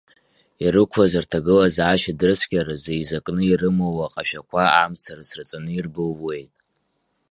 Ирықәлаз рҭагылазаашьа дырцәгьаразы, еизакны ирымоу аҟашәақәа амца рыцраҵаны ирбылуеит.